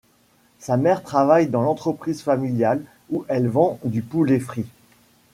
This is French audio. Sa mère travaille dans l'entreprise familiale où elle vend du poulet frit.